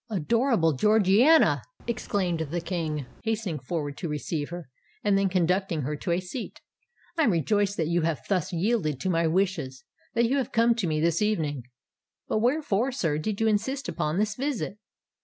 "Adorable Georgiana!" exclaimed the King, hastening forward to receive her, and then conducting her to a seat: "I am rejoiced that you have thus yielded to my wishes—that you have come to me this evening." "But wherefore, sire, did you insist upon this visit?"